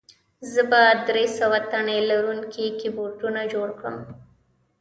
زه به درې سوه تڼۍ لرونکي کیبورډونه جوړ کړم